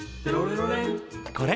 これ。